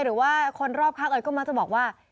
หรือว่าคนรอบคักเอ๋ยก็มาจะบอกว่า